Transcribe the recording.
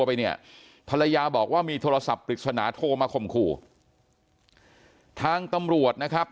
ไปเนี่ยภรรยาบอกว่ามีโทรศัพท์ปริศนาโทรมาข่มขู่ทางตำรวจนะครับ